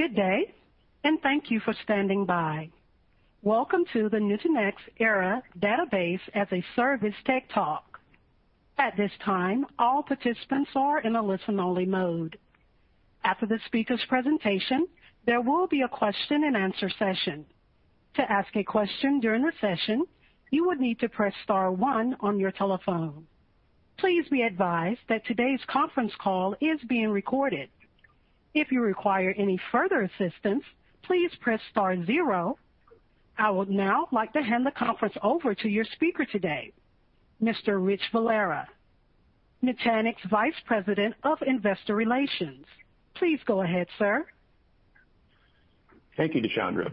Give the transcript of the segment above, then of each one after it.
Good day, and thank you for standing by. Welcome to the Nutanix Era Database as a Service tech talk. At this time, all participants are in a listen-only mode. After the speaker's presentation, there will be a question-and-answer session. To ask a question during the session, you would need to press star-one on your telephone. Please be advised that today's conference call is being recorded. If you require any further assistance, please press star zero. I would now like to hand the conference over to your speaker today, Mr. Rich Valera, Nutanix Vice President of Investor Relations. Please go ahead, sir. Thank you, Deshondra.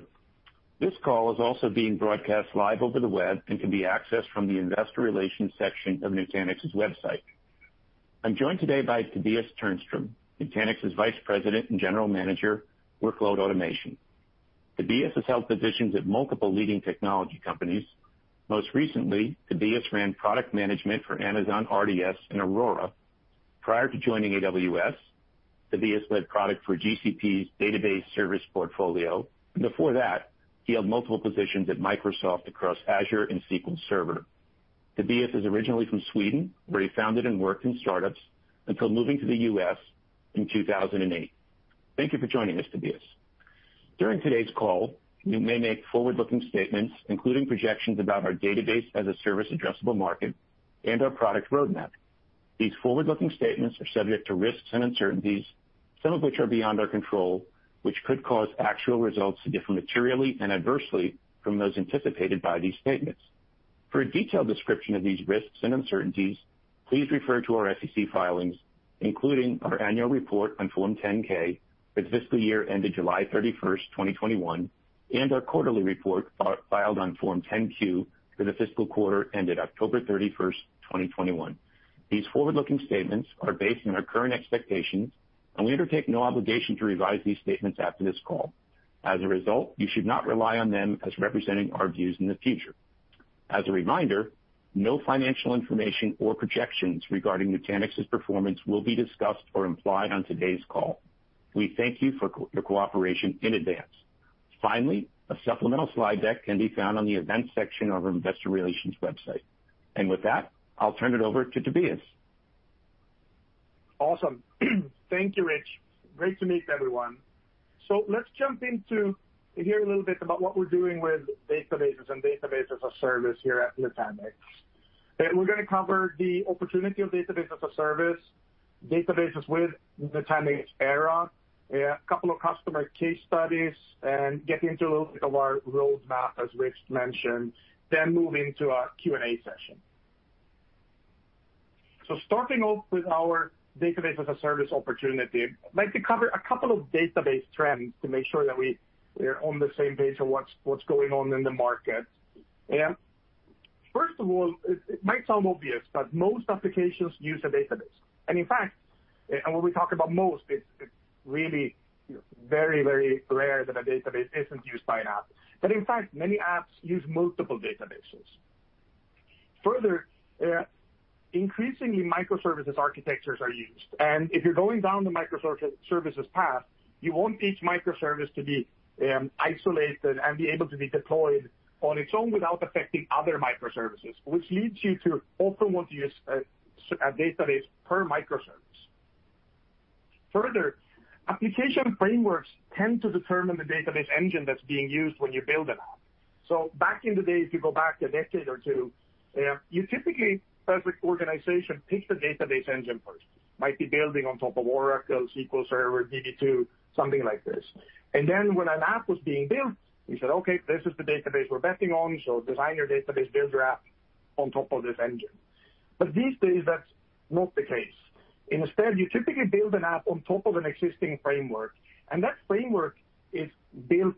This call is also being broadcast live over the web and can be accessed from the investor relations section of Nutanix's website. I'm joined today by Tobias Ternström, Nutanix's Vice President and General Manager, Workload Automation. Tobias has held positions at multiple leading technology companies. Most recently, Tobias ran product management for Amazon RDS and Aurora. Prior to joining AWS, Tobias led product for GCP's database service portfolio. Before that, he held multiple positions at Microsoft across Azure and SQL Server. Tobias is originally from Sweden, where he founded and worked in start-ups until moving to the U.S. in 2008. Thank you for joining us, Tobias. During today's call, we may make forward-looking statements, including projections about our Database as a Service addressable market and our product roadmap. These forward-looking statements are subject to risks and uncertainties, some of which are beyond our control, which could cause actual results to differ materially and adversely from those anticipated by these statements. For a detailed description of these risks and uncertainties, please refer to our SEC filings, including our annual report on Form 10-K for the fiscal year ended July 31st, 2021, and our quarterly report filed on Form 10-Q for the fiscal quarter ended October 31st, 2021. These forward-looking statements are based on our current expectations, and we undertake no obligation to revise these statements after this call. As a result, you should not rely on them as representing our views in the future. As a reminder, no financial information or projections regarding Nutanix's performance will be discussed or implied on today's call. We thank you for your cooperation in advance. Finally, a supplemental slide deck can be found on the events section of our investor relations website. With that, I'll turn it over to Tobias. Awesome. Thank you, Rich. Great to meet everyone. Let's jump into and hear a little bit about what we're doing with databases and Database as a Service here at Nutanix. We're going to cover the opportunity of Database as a Service, databases with Nutanix Era, couple of customer case studies, and get into a little bit of our roadmap, as Rich mentioned, then move into our Q&A session. Starting off with our Database as a Service opportunity, I'd like to cover a couple of database trends to make sure that we're on the same page on what's going on in the market. Yeah. First of all, it might sound obvious, but most applications use a database. In fact, when we talk about most, it's really, you know, very rare that a database isn't used by an app. In fact, many apps use multiple databases. Further, increasingly, microservices architectures are used, and if you're going down the microservices path, you want each microservice to be isolated and be able to be deployed on its own without affecting other microservices, which leads you to often want to use a database per microservice. Further, application frameworks tend to determine the database engine that's being used when you build an app. Back in the day, if you go back a decade or two, you typically, as an organization, pick the database engine first. Might be building on top of Oracle, SQL Server, DB2, something like this. When an app was being built, you said, "Okay, this is the database we're betting on, so design your database, build your app on top of this engine." These days, that's not the case. Instead, you typically build an app on top of an existing framework, and that framework is built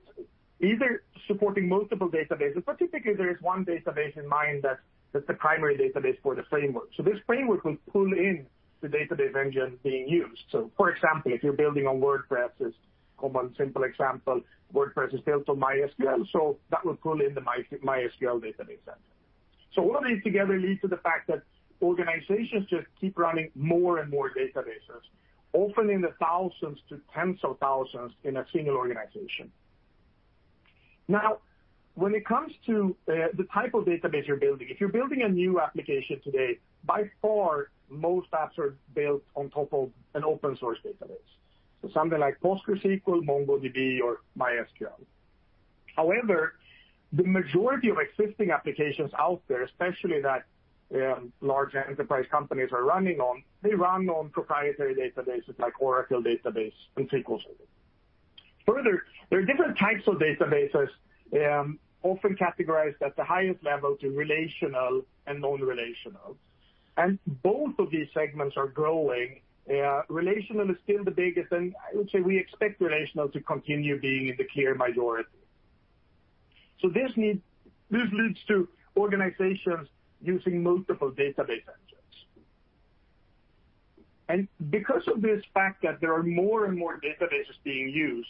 either supporting multiple databases, but typically there is one database in mind that's the primary database for the framework. This framework will pull in the database engine being used. For example, if you're building on WordPress as common simple example, WordPress is built on MySQL, so that would pull in the MySQL database engine. All of these together lead to the fact that organizations just keep running more and more databases, often in the thousands to tens of thousands in a single organization. Now, when it comes to the type of database you're building, if you're building a new application today, by far, most apps are built on top of an open source database, so something like PostgreSQL, MongoDB, or MySQL. However, the majority of existing applications out there, especially that large enterprise companies are running on, they run on proprietary databases like Oracle Database and SQL Server. Further, there are different types of databases, often categorized at the highest level to relational and non-relational, and both of these segments are growing. Relational is still the biggest, and I would say we expect relational to continue being in the clear majority. This leads to organizations using multiple database engines. Because of this fact that there are more and more databases being used,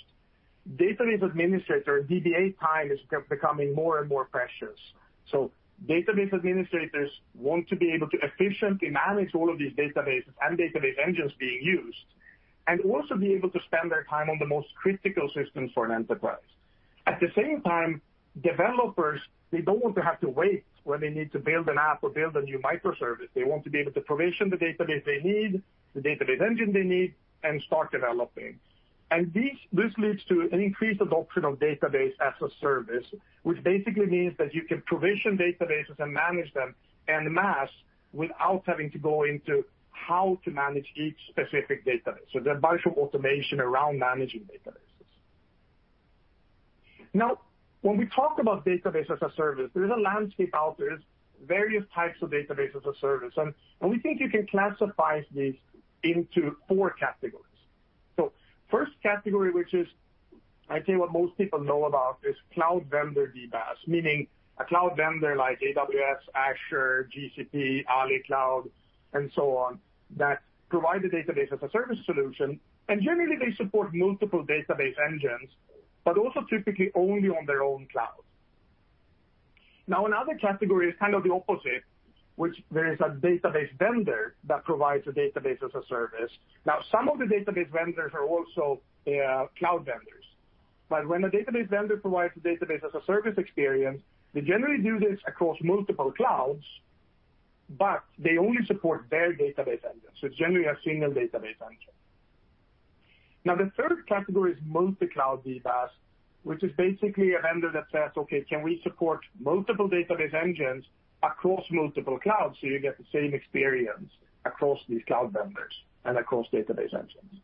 database administrator and DBA time is becoming more and more precious. Database administrators want to be able to efficiently manage all of these databases and database engines being used, and also be able to spend their time on the most critical systems for an enterprise. At the same time, developers, they don't want to have to wait when they need to build an app or build a new microservice. They want to be able to provision the database they need, the database engine they need, and start developing. This leads to an increased adoption of Database as a Service, which basically means that you can provision databases and manage them en masse without having to go into how to manage each specific database. There are a bunch of automation around managing databases. Now, when we talk about Database as a Service, there is a landscape out there. There's various types of Database as a Service, and we think you can classify these into four categories. First category, which is I think what most people know about, is cloud vendor DBaaS, meaning a cloud vendor like AWS, Azure, GCP, Alibaba Cloud, and so on, that provide the Database as a Service solution. Generally, they support multiple database engines, but also typically only on their own cloud. Now, another category is kind of the opposite, which there is a database vendor that provides a Database as a Service. Now, some of the database vendors are also cloud vendors. But when a database vendor provides a Database-as-a-Service experience, they generally do this across multiple clouds, but they only support their database engines, so generally a single database engine. Now, the third category is multi-cloud DBaaS, which is basically a vendor that says, "Okay, can we support multiple database engines across multiple clouds so you get the same experience across these cloud vendors and across database engines?"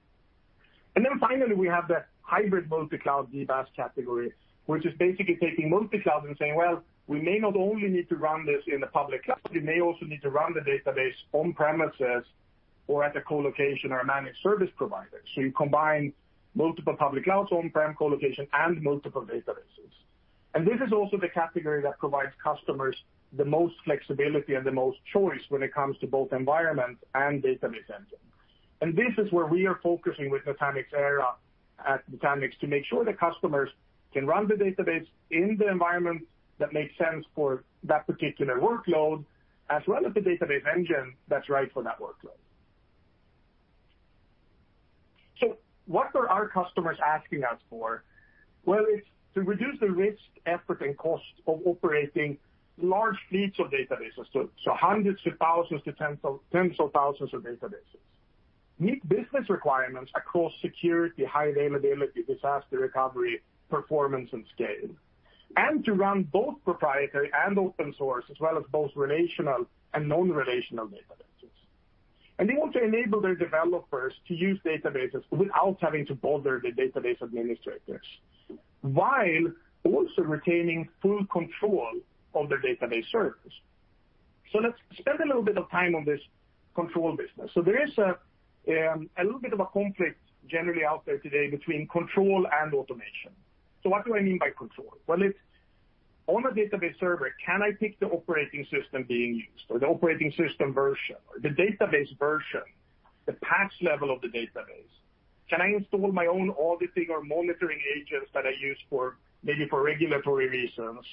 Finally, we have the hybrid multi-cloud DBaaS category, which is basically taking multi-cloud and saying, "Well, we may not only need to run this in a public cloud, we may also need to run the database on-premises or at a co-location or a managed service provider." You combine multiple public clouds, on-prem co-location, and multiple databases. This is also the category that provides customers the most flexibility and the most choice when it comes to both environment and database engines. This is where we are focusing with Nutanix Era at Nutanix, to make sure that customers can run the database in the environment that makes sense for that particular workload, as well as the database engine that's right for that workload. What are our customers asking us for? Well, it's to reduce the risk, effort, and cost of operating large fleets of databases, hundreds to thousands to tens of thousands of databases. Meet business requirements across security, high availability, disaster recovery, performance, and scale. To run both proprietary and open source, as well as both relational and non-relational databases. They want to enable their developers to use databases without having to bother the database administrators, while also retaining full control of their database service. Let's spend a little bit of time on this control business. There is a little bit of a conflict generally out there today between control and automation. What do I mean by control? Well, it's on a database server, can I pick the operating system being used or the operating system version or the database version, the patch level of the database? Can I install my own auditing or monitoring agents that I use for, maybe for regulatory reasons?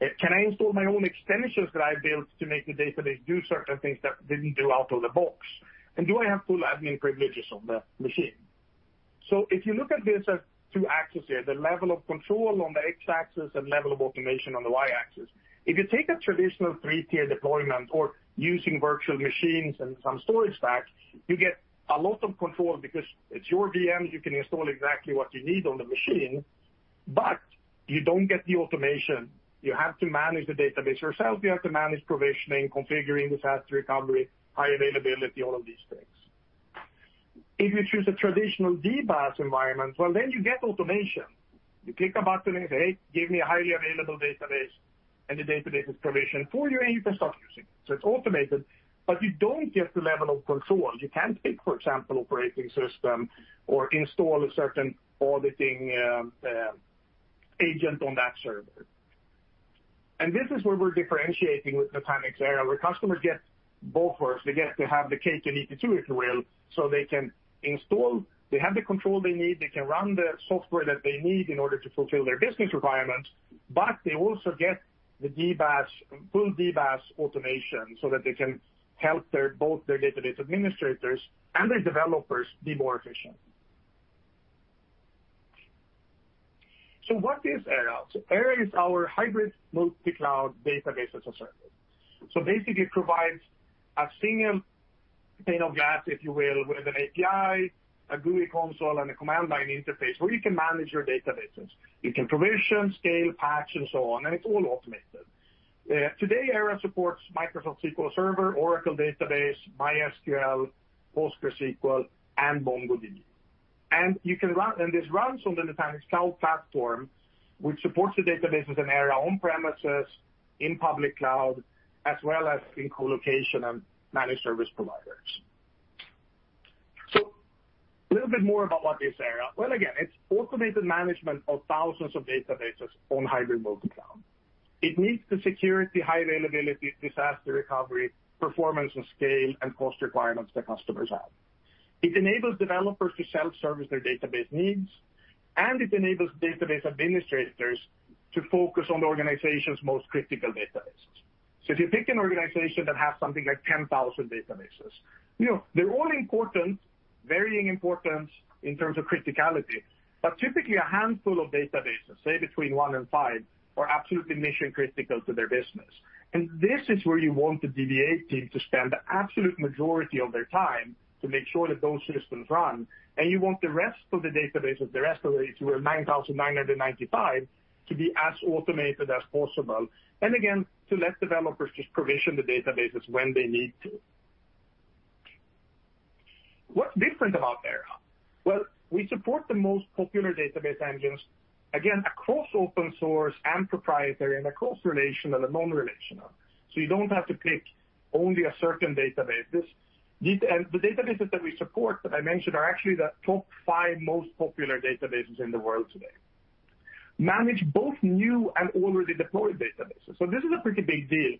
Can I install my own extensions that I built to make the database do certain things that didn't do out of the box? And do I have full admin privileges on the machine? If you look at this as two axes here, the level of control on the X-axis and level of automation on the Y-axis. If you take a traditional three-tier deployment or using virtual machines and some storage stacks, you get a lot of control because it's your VM, you can install exactly what you need on the machine, but you don't get the automation. You have to manage the database yourself. You have to manage provisioning, configuring, disaster recovery, high availability, all of these things. If you choose a traditional DBaaS environment, well, then you get automation. You click a button and say, "Hey, give me a highly available database," and the database is provisioned for you, and you can start using it. So it's automated, but you don't get the level of control. You can't pick, for example, operating system or install a certain auditing agent on that server. This is where we're differentiating with Nutanix Era, where customers get both worlds. They get to have the cake and eat it too, if you will. They have the control they need. They can run the software that they need in order to fulfill their business requirements, but they also get the full DBaaS automation, so that they can help their, both their database administrators and their developers be more efficient. What is Era? Era is our hybrid multi-cloud Database as a Service. Basically, it provides a single pane of glass, if you will, with an API, a GUI console, and a command line interface, where you can manage your databases. You can provision, scale, patch, and so on, and it's all automated. Today, Era supports Microsoft SQL Server, Oracle Database, MySQL, PostgreSQL, and MongoDB. This runs on the Nutanix Cloud Platform, which supports the databases in Era on-premises, in public cloud, as well as in co-location and managed service providers. A little bit more about what is Era. Well, again, it's automated management of thousands of databases on hybrid multi-cloud. It meets the security, high availability, disaster recovery, performance and scale, and cost requirements that customers have. It enables developers to self-service their database needs, and it enables database administrators to focus on the organization's most critical databases. If you pick an organization that has something like 10,000 databases, you know, they're all important, varying importance in terms of criticality, but typically a handful of databases, say between one and five, are absolutely mission-critical to their business. This is where you want the DBA team to spend the absolute majority of their time to make sure that those systems run, and you want the rest of the databases, the rest of the way to your 99.995, to be as automated as possible, and again, to let developers just provision the databases when they need to. What's different about Era? Well, we support the most popular database engines, again, across open source and proprietary and across relational and non-relational. So you don't have to pick only a certain databases. The databases that we support that I mentioned are actually the top five most popular databases in the world today. We manage both new and already deployed databases. So this is a pretty big deal.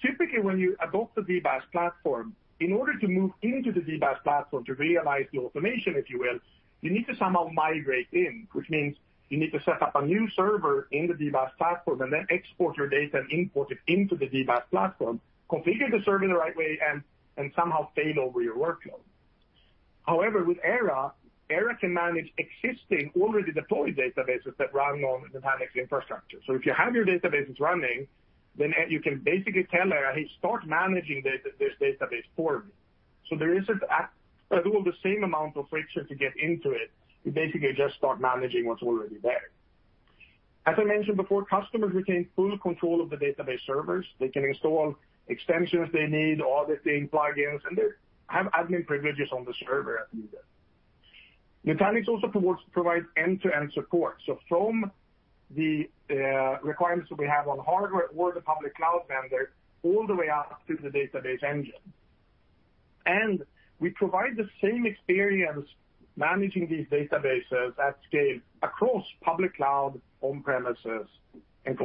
Typically, when you adopt a DBaaS platform, in order to move into the DBaaS platform to realize the automation, if you will, you need to somehow migrate in, which means you need to set up a new server in the DBaaS platform and then export your data and import it into the DBaaS platform, configure the server the right way, and somehow fail over your workload. However, with Era can manage existing, already deployed databases that run on Nutanix infrastructure. If you have your databases running, then you can basically tell Era, "Hey, start managing this database for me." There isn't at all the same amount of friction to get into it. You basically just start managing what's already there. As I mentioned before, customers retain full control of the database servers. They can install extensions they need, auditing plugins, and they have admin privileges on the server as needed. Nutanix also provides end-to-end support. From the requirements that we have on hardware or the public cloud vendor, all the way up to the database engine. We provide the same experience managing these databases at scale across public cloud, on-premises, and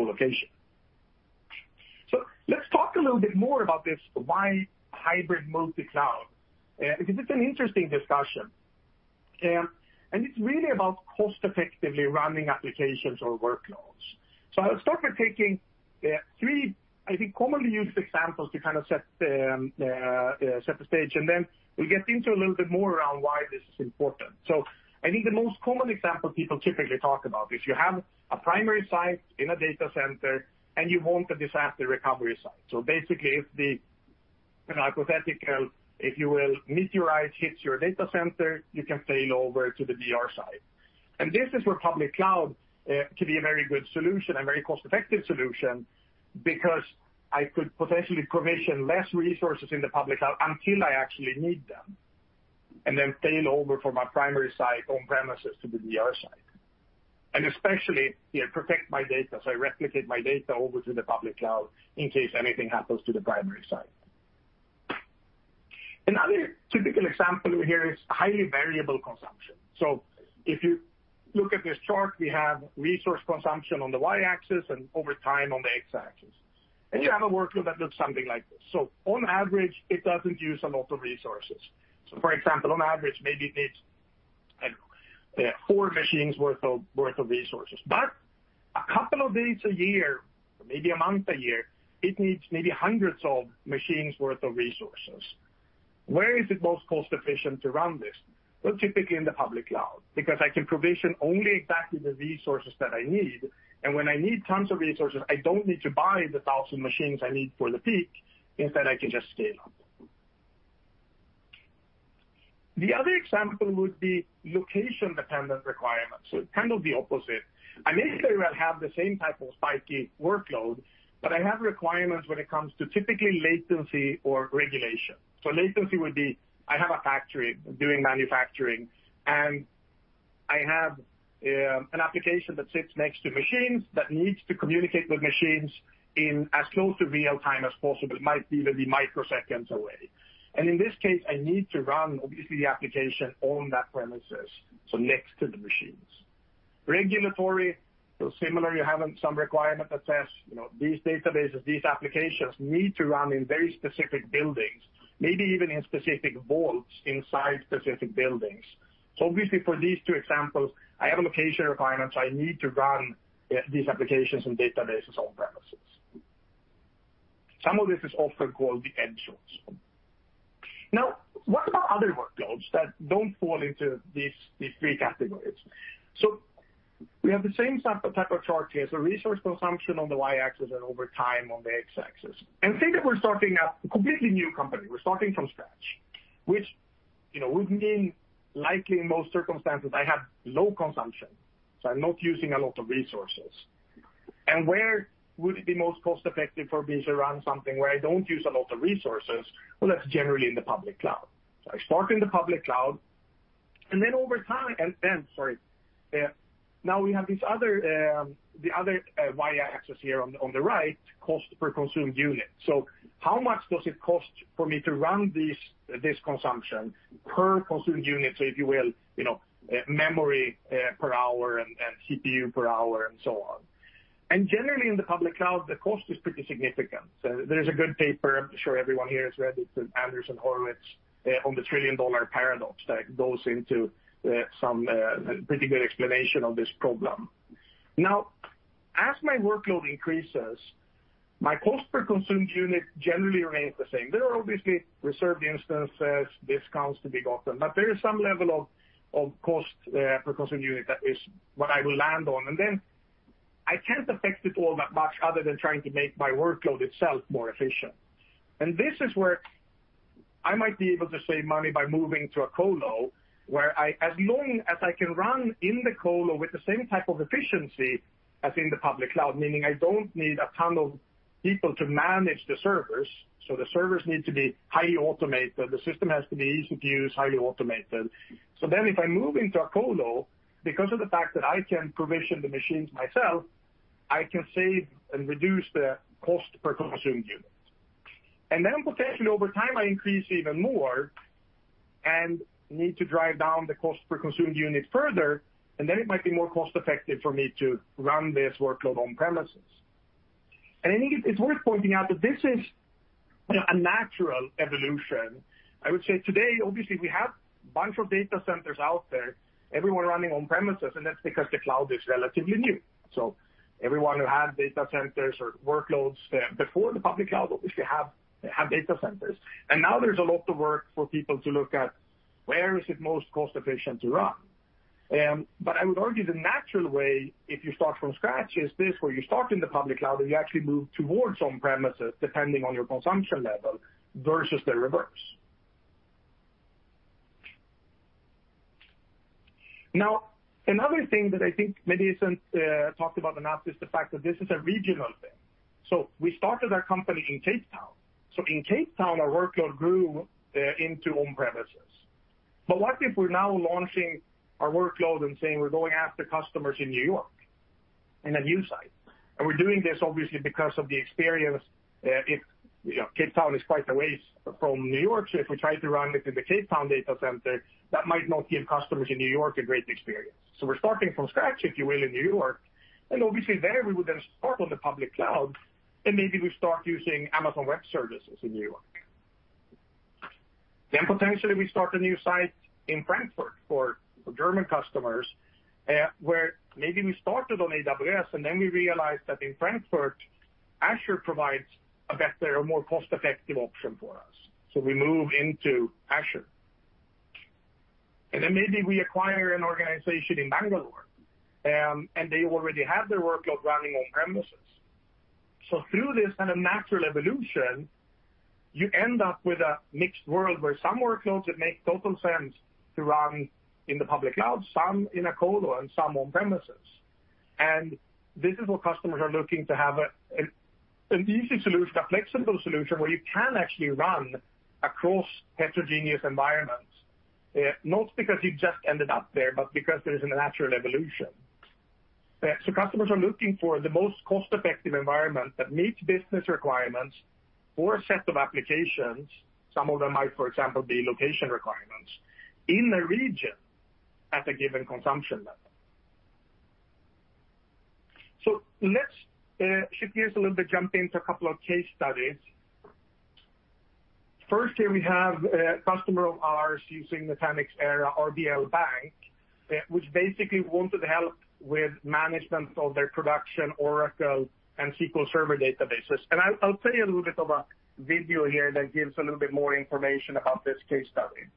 colocation. Let's talk a little bit more about this, why hybrid multi-cloud? Because it's an interesting discussion. It's really about cost-effectively running applications or workloads. I'll start by taking three, I think, commonly used examples to kind of set the stage, and then we get into a little bit more around why this is important. I think the most common example people typically talk about is if you have a primary site in a data center and you want a disaster recovery site. Basically, if the, you know, hypothetical, if you will, meteorite hits your data center, you can fail over to the DR site. This is where public cloud can be a very good solution and very cost-effective solution because I could potentially provision less resources in the public cloud until I actually need them, and then fail over from my primary site on-premises to the DR site. Especially, it protects my data, so I replicate my data over to the public cloud in case anything happens to the primary site. Another typical example here is highly variable consumption. If you look at this chart, we have resource consumption on the Y-axis and over time on the X-axis. You have a workload that looks something like this. On average, it doesn't use a lot of resources. For example, on average, maybe it needs, I don't know, four machines worth of resources. A couple of days a year, maybe a month a year, it needs maybe hundreds of machines worth of resources. Where is it most cost efficient to run this? Well, typically in the public cloud, because I can provision only exactly the resources that I need. When I need tons of resources, I don't need to buy the 1,000 machines I need for the peak. Instead, I can just scale up. The other example would be location-dependent requirements. It's kind of the opposite. I may very well have the same type of spiky workload, but I have requirements when it comes to typically latency or regulation. Latency would be, I have a factory doing manufacturing, and I have an application that sits next to machines that needs to communicate with machines in as close to real-time as possible. It might be maybe microseconds away. In this case, I need to run, obviously, the application on the premises, so next to the machines. Regulatory, so similar, you're having some requirement that says, you know, these databases, these applications need to run in very specific buildings, maybe even in specific vaults inside specific buildings. Obviously, for these two examples, I have location requirements. I need to run these applications and databases on-premises. Some of this is often called the edge loads. Now, what about other workloads that don't fall into these three categories? We have the same type of chart here. Resource consumption on the Y-axis and over time on the X-axis. Think that we're starting a completely new company. We're starting from scratch, which, you know, would mean likely in most circumstances, I have low consumption, so I'm not using a lot of resources. Where would it be most cost-effective for me to run something where I don't use a lot of resources? Well, that's generally in the public cloud. I start in the public cloud. Sorry. Now we have this other Y-axis here on the right, cost per consumed unit. How much does it cost for me to run this consumption per consumed unit, so if you will, you know, memory per hour and CPU per hour and so on. Generally in the public cloud, the cost is pretty significant. There's a good paper I'm sure everyone here has read. It's an Andreessen Horowitz on the Trillion Dollar Paradox that goes into some pretty good explanation of this problem. Now, as my workload increases, my cost per consumed unit generally remains the same. There are obviously reserved instances, discounts to be gotten, but there is some level of cost per consumed unit that is what I will land on. Then I can't affect it all that much other than trying to make my workload itself more efficient. This is where I might be able to save money by moving to a colo as long as I can run in the colo with the same type of efficiency as in the public cloud, meaning I don't need a ton of people to manage the servers. The servers need to be highly automated. The system has to be easy to use, highly automated. If I move into a colo, because of the fact that I can provision the machines myself, I can save and reduce the cost per consumed unit. Potentially over time, I increase even more and need to drive down the cost per consumed unit further, and it might be more cost-effective for me to run this workload on-premises. I think it's worth pointing out that this is a natural evolution. I would say today, obviously, we have a bunch of data centers out there, everyone running on-premises, and that's because the cloud is relatively new. Everyone who had data centers or workloads before the public cloud, obviously have data centers. Now there's a lot of work for people to look at where is it most cost efficient to run. I would argue the natural way, if you start from scratch, is this, where you start in the public cloud, and you actually move towards on-premises depending on your consumption level versus the reverse. Now, another thing that I think maybe isn't talked about enough is the fact that this is a regional thing. We started our company in Cape Town. In Cape Town, our workload grew into on-premises. What if we're now launching our workload and saying we're going after customers in New York in a new site? We're doing this obviously because of the experience. If you know, Cape Town is quite a way from New York, so if we try to run it in the Cape Town data center, that might not give customers in New York a great experience. We're starting from scratch, if you will, in New York. Obviously there we would then start on the public cloud, and maybe we start using Amazon Web Services in New York. Potentially we start a new site in Frankfurt for German customers, where maybe we started on AWS, and then we realized that in Frankfurt, Azure provides a better or more cost-effective option for us. We move into Azure. Then maybe we acquire an organization in Bangalore, and they already have their workload running on-premises. Through this kind of natural evolution, you end up with a mixed world where some workloads it makes total sense to run in the public cloud, some in a colo, and some on-premises. This is what customers are looking to have an easy solution, a flexible solution where you can actually run across heterogeneous environments, not because you just ended up there, but because there is a natural evolution. Customers are looking for the most cost-effective environment that meets business requirements for a set of applications. Some of them might, for example, be location requirements in a region at a given consumption level. Let's shift gears a little bit, jump into a couple of case studies. First, here we have a customer of ours using Nutanix Era, RBL Bank, which basically wanted help with management of their production Oracle and SQL Server databases. I'll play you a little bit of a video here that gives a little bit more information about this case study.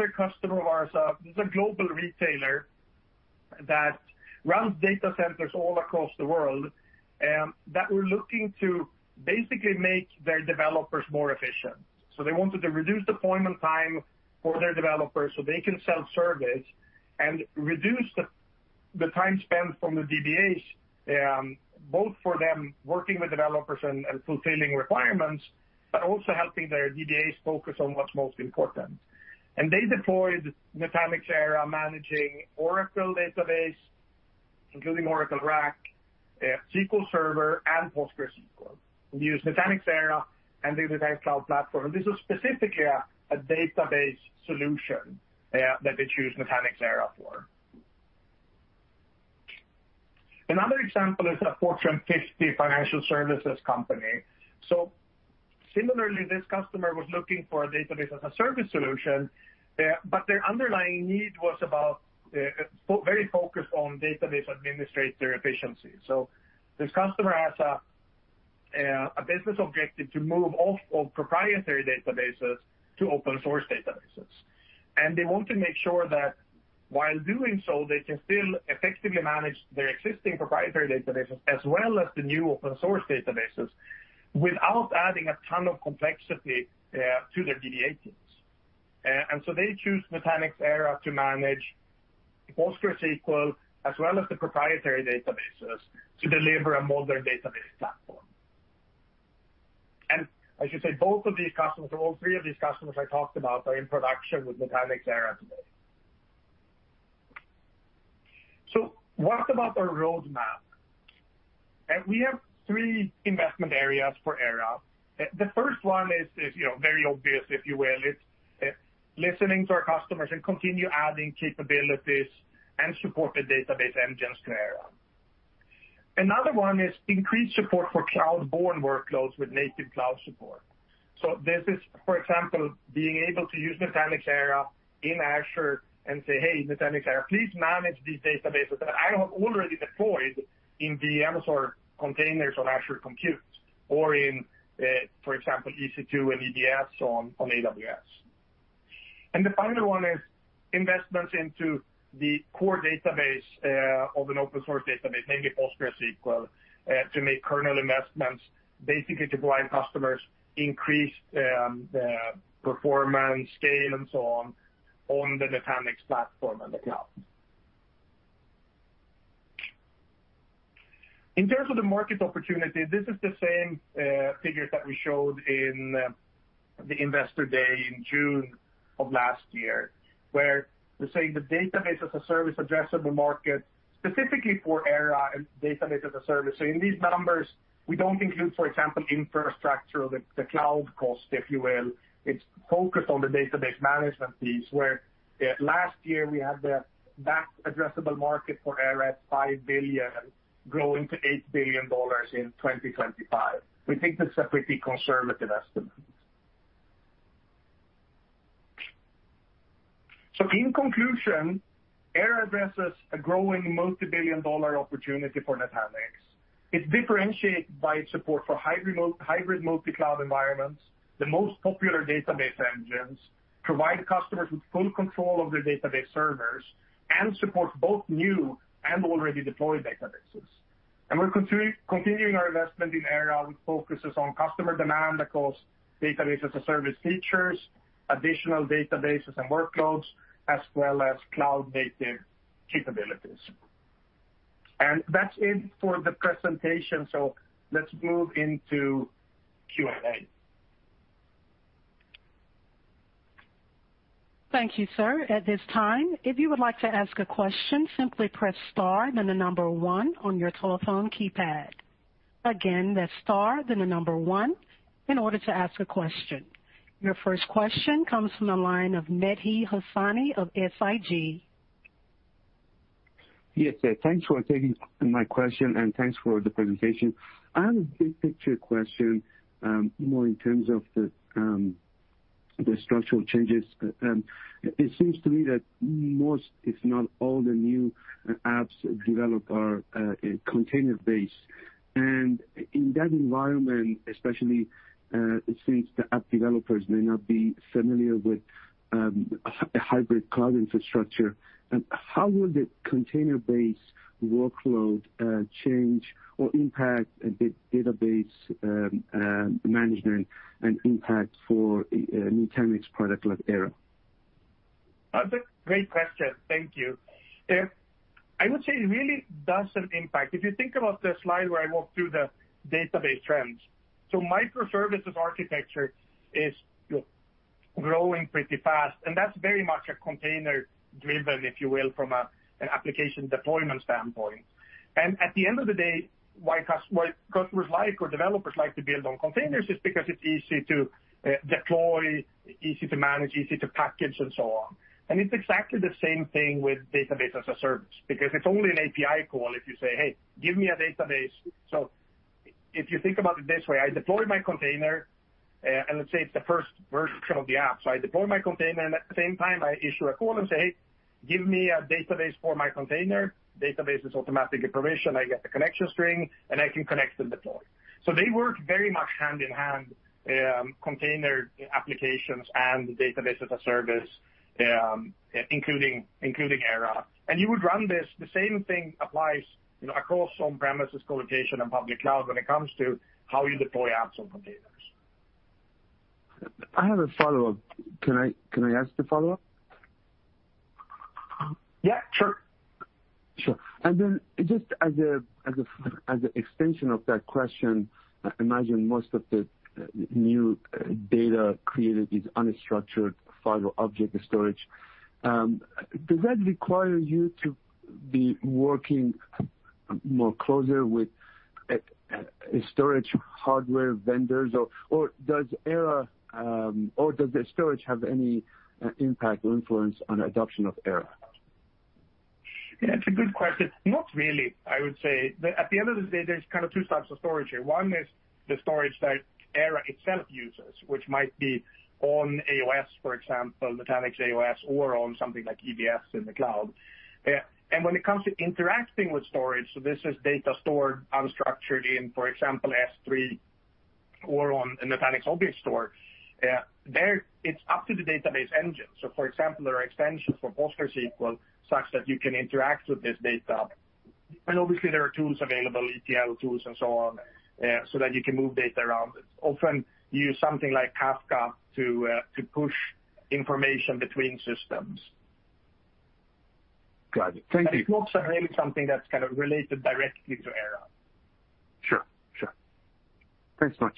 There we go. Let's talk about another customer of ours. This is a global retailer that runs data centers all across the world, that were looking to basically make their developers more efficient. They wanted to reduce deployment time for their developers so they can self-service and reduce the time spent from the DBAs, both for them working with developers and fulfilling requirements, but also helping their DBAs focus on what's most important. They deployed Nutanix Era managing Oracle Database, including Oracle RAC, SQL Server and PostgreSQL. We use Nutanix Era and the Nutanix Cloud Platform. This is specifically a database solution that they choose Nutanix Era for. Another example is a Fortune 50 financial services company. Similarly, this customer was looking for a Database as a Service solution, but their underlying need was about very focused on database administrator efficiency. This customer has a business objective to move off of proprietary databases to open source databases. They want to make sure that while doing so, they can still effectively manage their existing proprietary databases as well as the new open source databases without adding a ton of complexity to their DBA teams. They choose Nutanix Era to manage PostgreSQL as well as the proprietary databases to deliver a modern database platform. I should say both of these customers or all three of these customers I talked about are in production with Nutanix Era. What about our roadmap? We have three investment areas for Era. The first one is, you know, very obvious, if you will. It's listening to our customers and continue adding capabilities and supported database engines to Era. Another one is increased support for cloud-borne workloads with native cloud support. This is, for example, being able to use Nutanix Era in Azure and say, "Hey, Nutanix Era, please manage these databases that I have already deployed in the Amazon containers on Azure Compute or in, for example, EC2 and EBS on AWS." The final one is investments into the core database of an open source database, maybe PostgreSQL, to make kernel investments basically to provide customers increased performance, scale and so on the Nutanix platform and the cloud. In terms of the market opportunity, this is the same figures that we showed in the investor day in June of last year, where we're saying the database-as-a-service addressable market specifically for Era and database-as-a-service. In these numbers, we don't include, for example, infrastructure or the cloud cost, if you will. It's focused on the database management piece, where last year we had the DBaaS addressable market for Era at $5 billion growing to $8 billion in 2025. We think that's a pretty conservative estimate. In conclusion, Era addresses a growing multi-billion-dollar opportunity for Nutanix. It's differentiated by its support for hybrid multi-cloud environments, the most popular database engines, provide customers with full control of their database servers, and supports both new and already deployed databases. We're continuing our investment in Era, which focuses on customer demand across Database as a Service features, additional databases and workloads, as well as cloud-native capabilities. That's it for the presentation. Let's move into Q&A. Thank you, sir. At this time, if you would like to ask a question, simply press star then the number one on your telephone keypad. Again, that's star then the number one in order to ask a question. Your first question comes from the line of Mehdi Hosseini of SIG. Yes, thanks for taking my question, and thanks for the presentation. I have a big picture question, more in terms of the structural changes. It seems to me that most, if not all, the new apps developed are container-based. In that environment, especially, it seems the app developers may not be familiar with a hybrid cloud infrastructure. How will the container-based workload change or impact the database management and impact for a Nutanix product like Era? That's a great question. Thank you. I would say it really doesn't impact. If you think about the slide where I walked through the database trends. Microservices architecture is growing pretty fast, and that's very much a container-driven, if you will, from an application deployment standpoint. At the end of the day, why customers like or developers like to build on containers is because it's easy to deploy, easy to manage, easy to package and so on. It's exactly the same thing with Database as a Service, because it's only an API call if you say, "Hey, give me a database." If you think about it this way, I deploy my container, and let's say it's the first version of the app. I deploy my container, and at the same time, I issue a call and say, "Give me a database for my container." Database is automatically provisioned. I get the connection string, and I can connect and deploy. They work very much hand in hand, container applications and Database as a Service, including Era. You would run this the same thing applies, you know, across on-premises colocation and public cloud when it comes to how you deploy apps on containers. I have a follow-up. Can I ask the follow-up? Yeah, sure. Sure. Then just as an extension of that question, I imagine most of the new data created is unstructured file object storage. Does that require you to be working more closer with a storage hardware vendors or does the storage have any impact or influence on adoption of Era? Yeah, it's a good question. Not really, I would say. At the end of the day, there's kind of two types of storage here. One is the storage that Era itself uses, which might be on AOS, for example, Nutanix AOS, or on something like EBS in the cloud. When it comes to interacting with storage, so this is data stored unstructured in, for example, S3 or on a Nutanix object store, there it's up to the database engine. For example, there are extensions for PostgreSQL such that you can interact with this data. Obviously there are tools available, ETL tools and so on, so that you can move data around. Often use something like Kafka to push information between systems. Got it. Thank you. It's not really something that's kind of related directly to Era. Sure. Thanks much.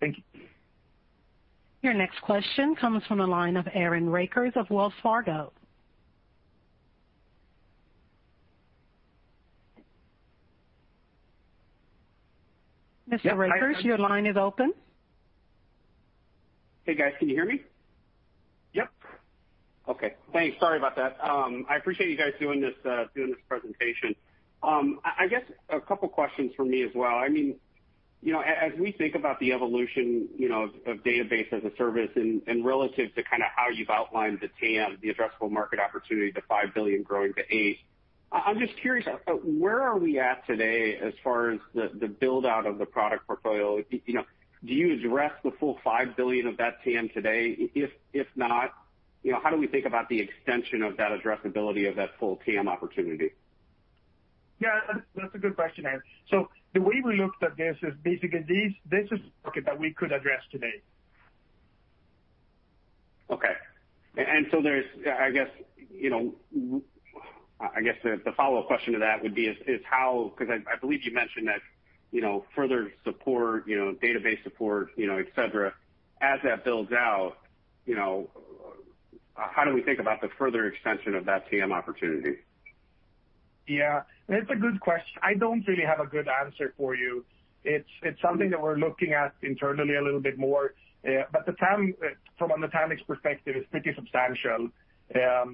Thank you. Your next question comes from the line of Aaron Rakers of Wells Fargo. Mr. Rakers, your line is open. Hey, guys. Can you hear me? Yep. Okay, thanks. Sorry about that. I appreciate you guys doing this presentation. I guess a couple of questions from me as well. I mean, you know, as we think about the evolution, you know, of Database as a Service and relative to kind of how you've outlined the TAM, the addressable market opportunity to $5 billion growing to $8 billion, I'm just curious, where are we at today as far as the build-out of the product portfolio? You know, do you address the full $5 billion of that TAM today? If not, you know, how do we think about the extension of that addressability of that full TAM opportunity? Yeah, that's a good question, Aaron. The way we looked at this is basically this is market that we could address today. Okay. There's, you know, I guess the follow-up question to that would be how, 'cause I believe you mentioned that, you know, further support, you know, database support, you know, et cetera, as that builds out, you know, how do we think about the further extension of that TAM opportunity? Yeah, that's a good question. I don't really have a good answer for you. It's something that we're looking at internally a little bit more, but the TAM from a Nutanix perspective is pretty substantial. At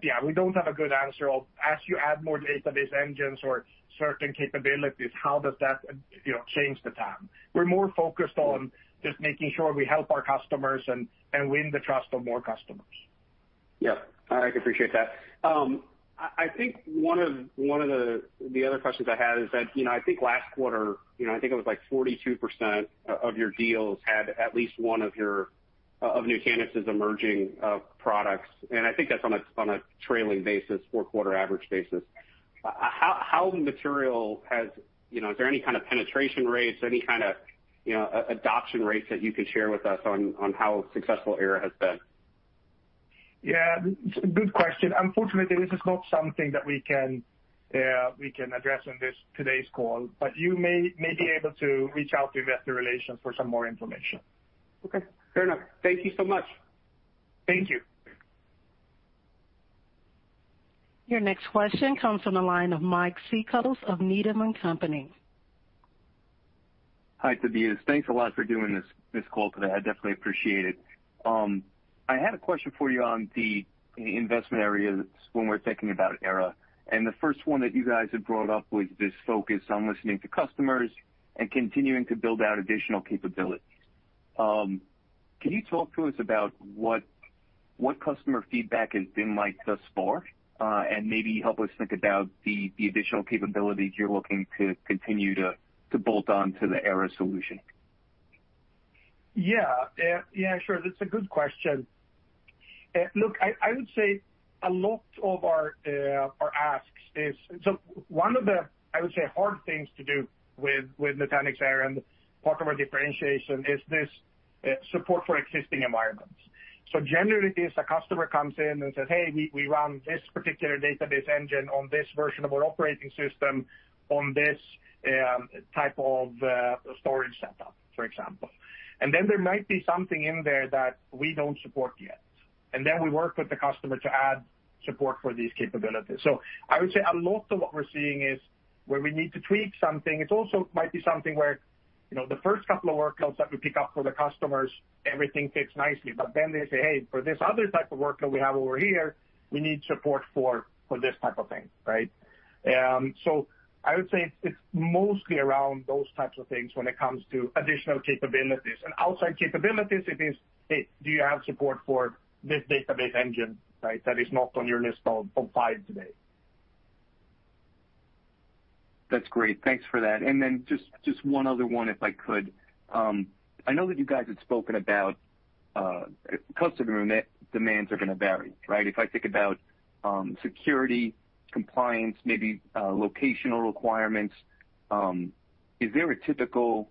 the end, we don't have a good answer of as you add more database engines or certain capabilities, how does that, you know, change the TAM? We're more focused on just making sure we help our customers and win the trust of more customers. Yeah. I appreciate that. I think one of the other questions I had is that, you know, I think last quarter, you know, I think it was like 42% of your deals had at least one of Nutanix's emerging products, and I think that's on a trailing basis, four-quarter average basis. You know, is there any kind of penetration rates, any kind of, you know, adoption rates that you can share with us on how successful Era has been? Yeah, good question. Unfortunately, this is not something that we can address on this, today's call, but you may be able to reach out to Investor Relations for some more information. Okay. Fair enough. Thank you so much. Thank you. Your next question comes from the line of Mike Cikos of Needham & Company. Hi, Tobias. Thanks a lot for doing this call today. I definitely appreciate it. I had a question for you on the investment areas when we're thinking about Era, and the first one that you guys have brought up was this focus on listening to customers and continuing to build out additional capabilities. Can you talk to us about what customer feedback has been like thus far, and maybe help us think about the additional capabilities you're looking to continue to build on to the Era solution? Yeah, sure. That's a good question. Look, I would say a lot of our asks is. One of the, I would say, hard things to do with Nutanix Era and part of our differentiation is this support for existing environments. Generally, a customer comes in and says, "Hey, we run this particular database engine on this version of our operating system on this type of storage setup," for example. Then there might be something in there that we don't support yet. We work with the customer to add support for these capabilities. I would say a lot of what we're seeing is where we need to tweak something. It also might be something where, you know, the first couple of workloads that we pick up for the customers, everything fits nicely. They say, "Hey, for this other type of workload we have over here, we need support for this type of thing." Right? I would say it's mostly around those types of things when it comes to additional capabilities. Outside capabilities, it is, "Hey, do you have support for this database engine, right? That is not on your list of five today? That's great. Thanks for that. Just one other one, if I could. I know that you guys had spoken about customer demands are going to vary, right? If I think about security, compliance, maybe locational requirements, is there a typical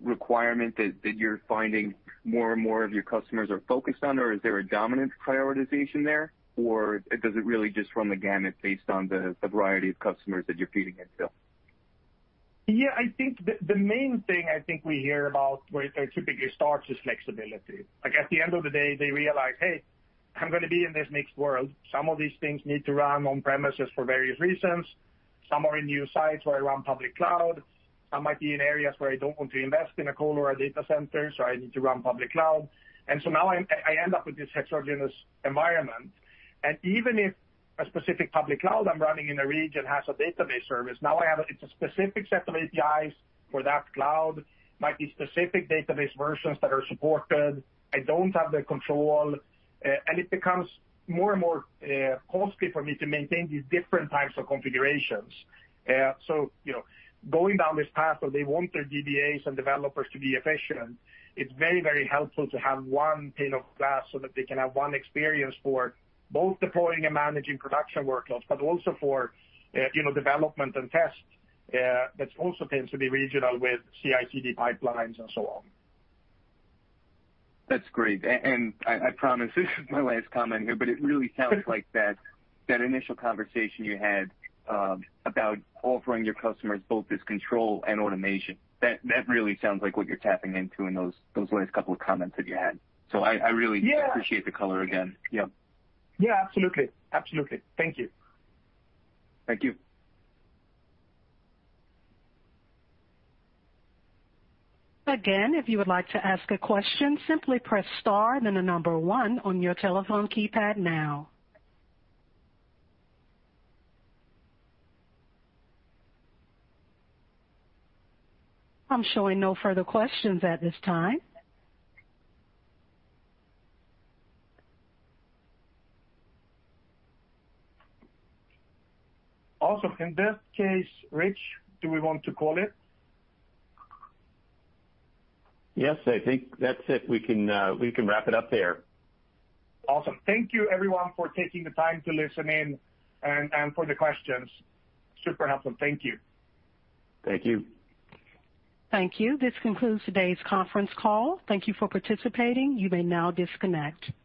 requirement that you're finding more and more of your customers are focused on or is there a dominant prioritization there or does it really just run the gamut based on the variety of customers that you're feeding into? Yeah, I think the main thing we hear about where it typically starts is flexibility. Like, at the end of the day, they realize, "Hey, I'm going to be in this mixed world. Some of these things need to run on-premises for various reasons. Some are in new sites where I run public cloud. Some might be in areas where I don't want to invest in a core or a data center, so I need to run public cloud. Now I end up with this heterogeneous environment. Even if a specific public cloud I'm running in a region has a database service, now I have, it's a specific set of APIs for that cloud, might be specific database versions that are supported. I don't have the control, and it becomes more and more costly for me to maintain these different types of configurations." You know, going down this path where they want their DBAs and developers to be efficient, it's very, very helpful to have one pane of glass so that they can have one experience for both deploying and managing production workloads, but also for, you know, development and test, that also tends to be regional with CI/CD pipelines and so on. That's great. I promise this is my last comment here, but it really sounds like that initial conversation you had about offering your customers both this control and automation. That really sounds like what you're tapping into in those last couple of comments that you had. I really appreciate the color again. Yep. Yeah, absolutely. Absolutely. Thank you. Thank you. Again, if you would like to ask a question, simply press star then the number one on your telephone keypad now. I'm showing no further questions at this time. Also, in this case, Rich, do we want to call it? Yes, I think that's it. We can wrap it up there. Awesome. Thank you everyone for taking the time to listen in and for the questions. Super helpful. Thank you. Thank you. Thank you. This concludes today's conference call. Thank you for participating. You may now disconnect.